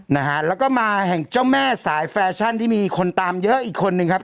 นะฮะแล้วก็มาแห่งเจ้าแม่สายแฟชั่นที่มีคนตามเยอะอีกคนนึงครับ